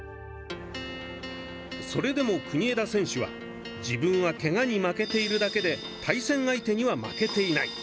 それでも国枝選手は「自分はけがに負けているだけで対戦相手には負けていない」。